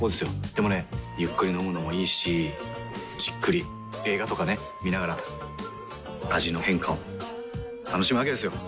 でもねゆっくり飲むのもいいしじっくり映画とかね観ながら味の変化を楽しむわけですよ。